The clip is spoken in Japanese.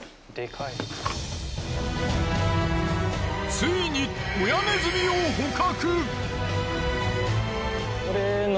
ついに親ネズミを捕獲！